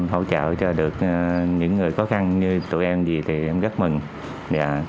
hỗ trợ cho được những người khó khăn như tụi em gì thì em rất mừng